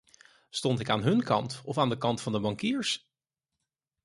Stond ik aan hun kant, of aan de kant van de bankiers?